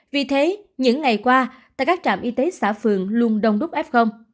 vì thế những ngày qua tại các trạm y tế xã phường luôn đông đúc f